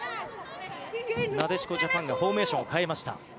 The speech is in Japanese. なでしこジャパンがフォーメーションを変えました。